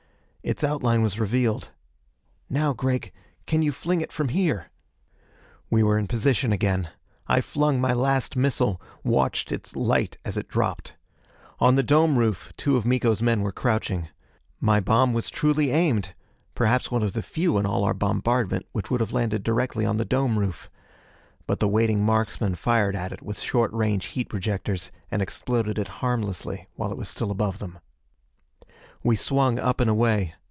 Its outline was revealed. "Now, Gregg can you fling it from here?" We were in position again. I flung my last missile, watched its light as it dropped. On the dome roof two of Miko's men were crouching. My bomb was truly aimed perhaps one of the few in all our bombardment which would have landed directly on the dome roof. But the waiting marksmen fired at it with short range heat projectors and exploded it harmlessly while it was still above them. We swung up and away.